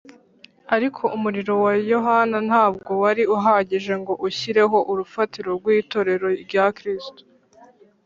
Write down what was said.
. Ariko umurimo wa Yohana ntabwo wari uhagije ngo ushyireho urufatiro rw’itorero rya Kristo